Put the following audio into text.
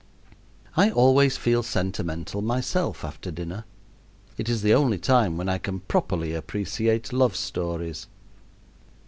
I always feel sentimental myself after dinner. It is the only time when I can properly appreciate love stories.